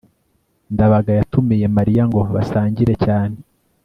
ndabaga yatumiye mariya ngo basangire cyane